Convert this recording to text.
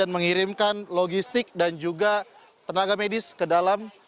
mengirimkan logistik dan juga tenaga medis ke dalam